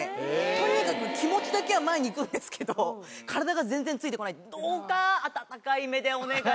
とにかく気持ちだけは前に行くんですけど体が全然ついてこないどうか。